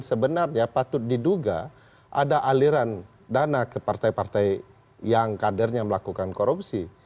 sebenarnya patut diduga ada aliran dana ke partai partai yang kadernya melakukan korupsi